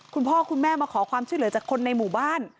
คุณพ่อคุณแม่มาขอความช่วยเหลือจากคนในหมู่บ้าน